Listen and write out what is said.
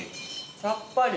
さっぱり。